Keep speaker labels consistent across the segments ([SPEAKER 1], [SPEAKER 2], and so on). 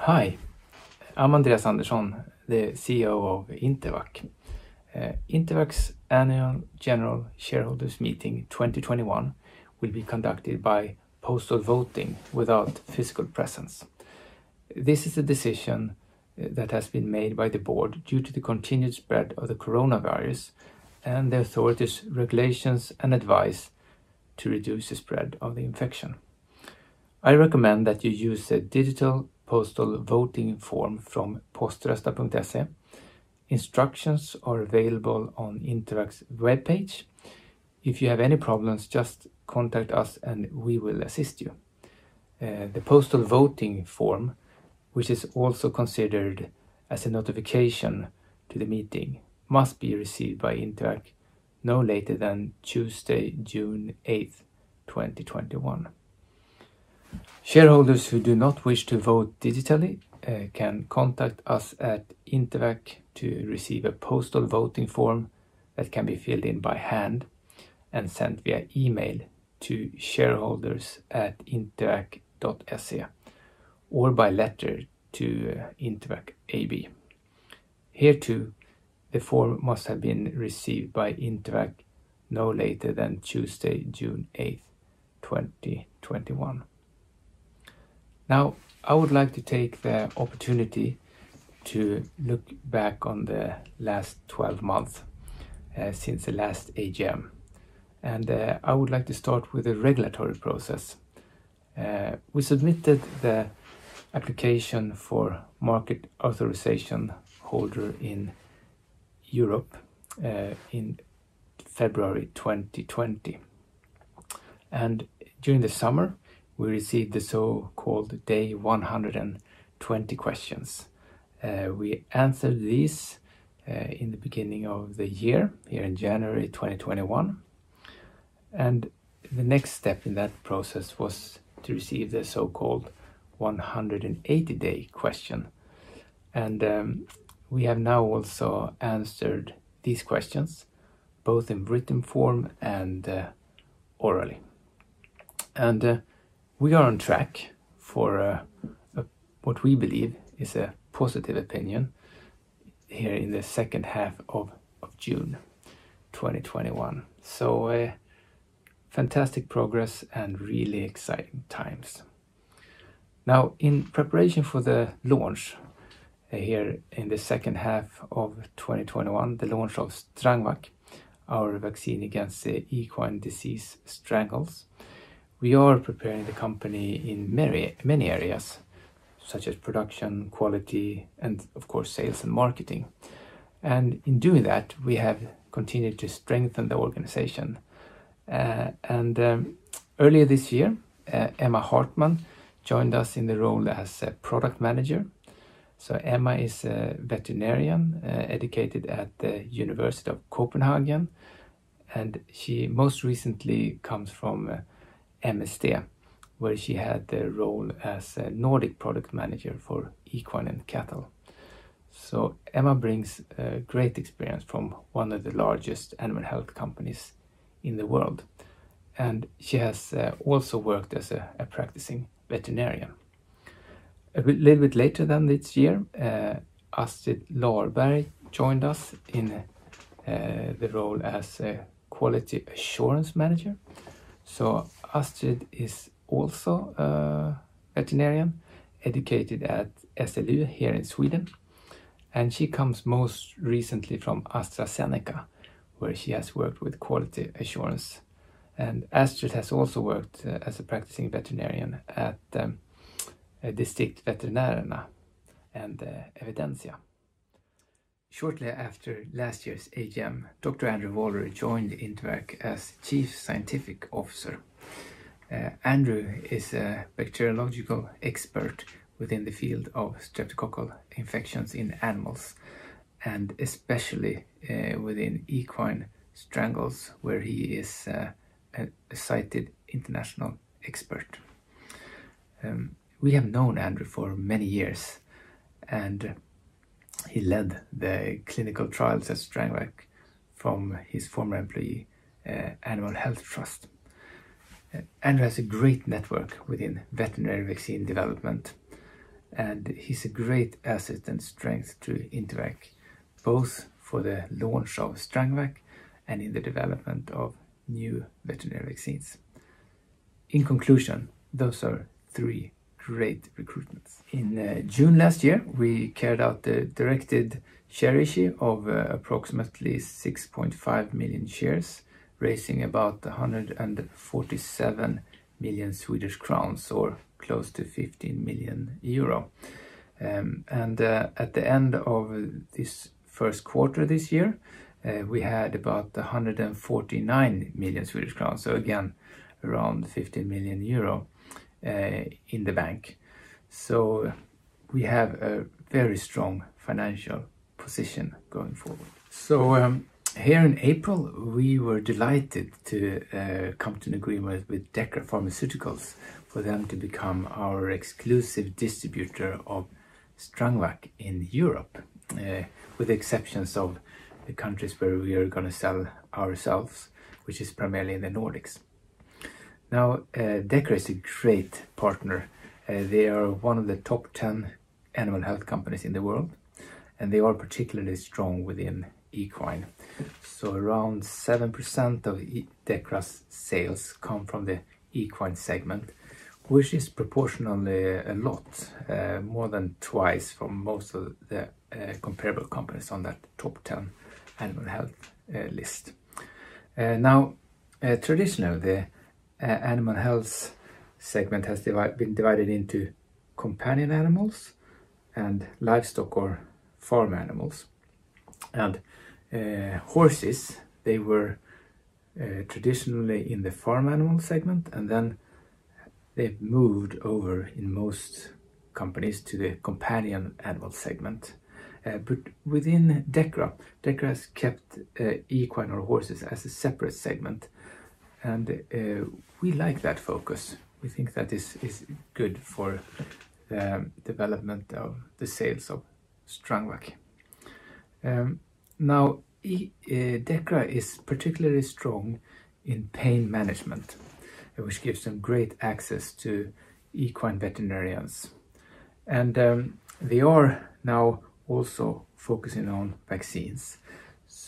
[SPEAKER 1] Hi, I'm Andreas Andersson, the CEO of Intervacc. Intervacc's Annual General Shareholders Meeting 2021 will be conducted by postal voting without physical presence. This is a decision that has been made by the board due to the continued spread of the coronavirus and the authorities' regulations and advice to reduce the spread of the infection. I recommend that you use a digital postal voting form from poströsta.se. Instructions are available on Intervacc's webpage. If you have any problems, just contact us and we will assist you. The postal voting form, which is also considered as a notification to the meeting, must be received by Intervacc no later than Tuesday, June 8th, 2021. Shareholders who do not wish to vote digitally can contact us at Intervacc to receive a postal voting form that can be filled in by hand and sent via email to shareholders@intervacc.se or by letter to Intervacc AB. Here too, the form must have been received by Intervacc no later than Tuesday, June 8th, 2021. I would like to take the opportunity to look back on the last 12 months since the last AGM, and I would like to start with the regulatory process. We submitted the application for market authorization holder in Europe in February 2020, and during the summer, we received the so-called day-120 questions. We answered these in the beginning of the year, here in January 2021. The next step in that process was to receive the so-called 180-day question. We have now also answered these questions, both in written form and orally. We are on track for what we believe is a positive opinion here in the second half of June 2021. Fantastic progress and really exciting times. In preparation for the launch here in the second half of 2021, the launch of Strangvac, our vaccine against the equine disease strangles, we are preparing the company in many areas, such as production, quality, and of course, sales and marketing. In doing that, we have continued to strengthen the organization. Earlier this year, Emma Hartman joined us in the role as a product manager. Emma is a veterinarian, educated at the University of Copenhagen, and she most recently comes from MSD, where she had the role as a Nordic product manager for equine and cattle. Emma brings great experience from one of the largest animal health companies in the world. She has also worked as a practicing veterinarian. A little bit later than this year, Astrid Larberg joined us in the role as a quality assurance manager. Astrid is also a veterinarian educated at SLU here in Sweden, and she comes most recently from AstraZeneca, where she has worked with quality assurance. Astrid has also worked as a practicing veterinarian at Distriktsveterinärerna and Evidensia. Shortly after last year's AGM, Dr. Andrew Waller joined Intervacc as Chief Scientific Officer. Andrew is a bacteriological expert within the field of streptococcal infections in animals, and especially within equine strangles, where he is a cited international expert. We have known Andrew for many years, and he led the clinical trials at Strangvac from his former employee, Animal Health Trust. Andrew has a great network within veterinary vaccine development, and he's a great asset and strength to Intervacc, both for the launch of Strangvac and in the development of new veterinary vaccines. In conclusion, those are three great recruitments. In June last year, we carried out the directed share issue of approximately 6.5 million shares, raising about 147 million Swedish crowns, or close to 15 million euro. At the end of this first quarter this year, we had about 149 million Swedish crowns, again, around 15 million euro in the bank. We have a very strong financial position going forward. Here in April, we were delighted to come to an agreement with Dechra Pharmaceuticals for them to become our exclusive distributor of Strangvac in Europe, with the exceptions of the countries where we are going to sell ourselves, which is primarily the Nordics. Now Dechra is a great partner. They are one of the top 10 animal health companies in the world, and they are particularly strong within equine. Around 7% of Dechra's sales come from the equine segment, which is proportionally a lot, more than twice from most of the comparable companies on that top 10 animal health list. Traditionally, the animal health segment has been divided into companion animals and livestock or farm animals. Horses, they were traditionally in the farm animal segment, then they've moved over in most companies to the companion animal segment. Within Dechra's kept equine or horses as a separate segment, and we like that focus. We think that is good for the development of the sales of Strangvac. Dechra is particularly strong in pain management, which gives them great access to equine veterinarians. They are now also focusing on vaccines.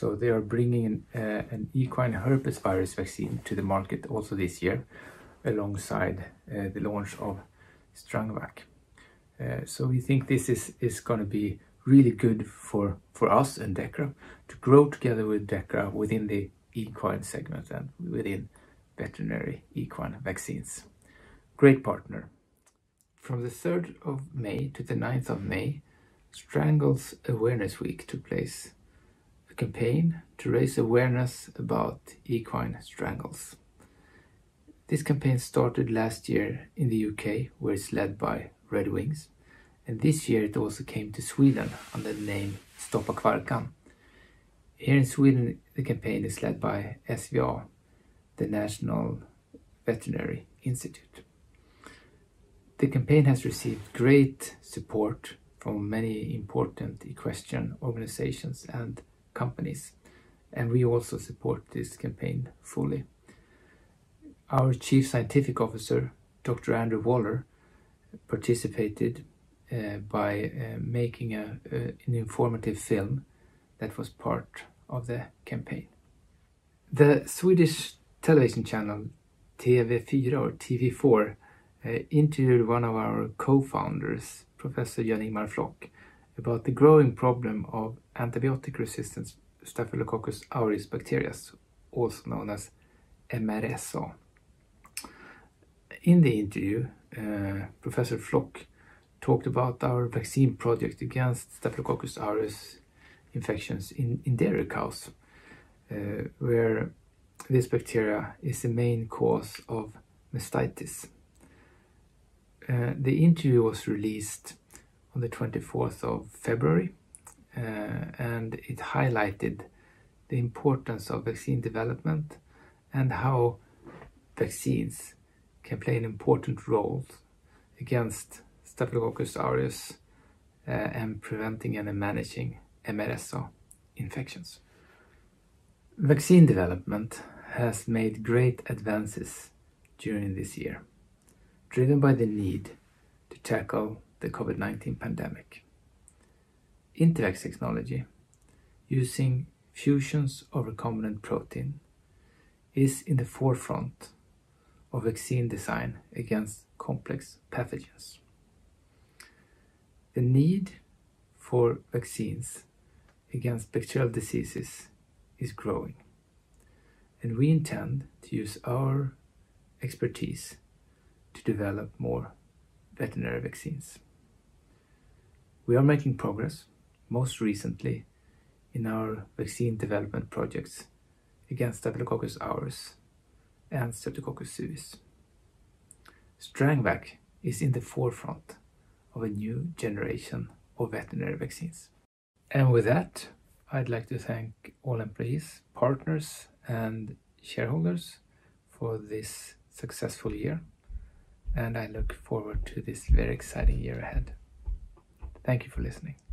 [SPEAKER 1] They are bringing an equine herpesvirus vaccine to the market also this year alongside the launch of Strangvac. We think this is going to be really good for us and Dechra to grow together with Dechra within the equine segment and within veterinary equine vaccines. Great partner. From the 3rd of May to the 9th of May, Strangles Awareness Week took place, a campaign to raise awareness about equine strangles. This campaign started last year in the U.K., where it's led by Redwings, and this year it also came to Sweden under the name Stoppa Kvarkan. Here in Sweden, the campaign is led by SVA, the National Veterinary Institute. The campaign has received great support from many important equestrian organizations and companies, and we also support this campaign fully. Our Chief Scientific Officer, Dr. Andrew Waller, participated by making an informative film that was part of the campaign. The Swedish television channel TV4 interviewed one of our co-founders, Professor Jan-Ingmar Flock, about the growing problem of antibiotic-resistant Staphylococcus aureus bacteria, also known as MRSA. In the interview, Professor Flock talked about our vaccine project against Staphylococcus aureus infections in dairy cows, where this bacteria is the main cause of mastitis. The interview was released on the 24th of February, and it highlighted the importance of vaccine development and how vaccines can play an important role against Staphylococcus aureus and preventing and managing MRSA infections. Vaccine development has made great advances during this year, driven by the need to tackle the COVID-19 pandemic. Intervacc technology, using fusions of recombinant protein, is in the forefront of vaccine design against complex pathogens. The need for vaccines against bacterial diseases is growing, and we intend to use our expertise to develop more veterinary vaccines. We are making progress, most recently in our vaccine development projects against Staphylococcus aureus and Streptococcus suis. Strangvac is in the forefront of a new generation of veterinary vaccines. With that, I'd like to thank all employees, partners, and shareholders for this successful year, and I look forward to this very exciting year ahead. Thank you for listening.